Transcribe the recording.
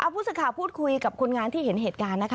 ผู้สื่อข่าวพูดคุยกับคนงานที่เห็นเหตุการณ์นะคะ